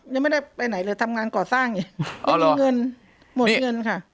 ยังไม่ได้ไปไหนเลยทำงานก่อสร้างไงไม่มีเงินหมดเงินค่ะ